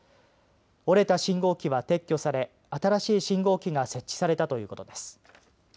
折れた信号機は撤去され新しい信号機が設置されたということです。